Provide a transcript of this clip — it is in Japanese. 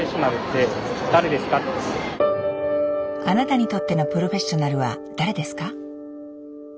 あなたにとってのプロフェッショナルって誰ですか？